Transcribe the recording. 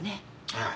ああ。